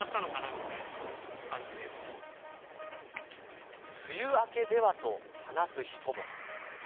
ぐら梅雨明けではと話す人も。